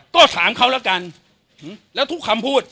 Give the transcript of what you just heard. ก็ถามเขาแล้วกันแล้วทุกคำพูด